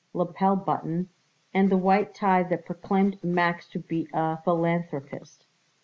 lapel button, and the white tie that proclaimed Max to be a philanthropist.